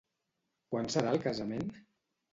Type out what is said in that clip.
Quan serà el casament?